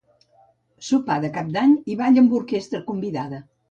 Sopar de Cap d'Any i ball amb orquestra convidada.